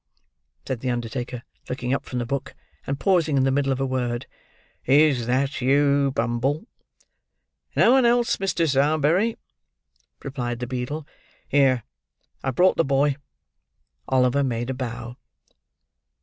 said the undertaker; looking up from the book, and pausing in the middle of a word; "is that you, Bumble?" "No one else, Mr. Sowerberry," replied the beadle. "Here! I've brought the boy." Oliver made a bow.